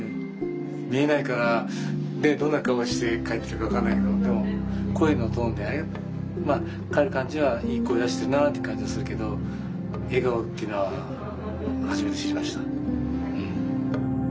見えないからどんな顔して帰ってるか分かんないけどでも声のトーンでまあ帰る感じはいい声出してるなあって感じはするけど笑顔っていうのは初めて知りました。